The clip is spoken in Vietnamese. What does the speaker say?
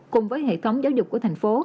cùng với hệ thống giáo dục của tp hcm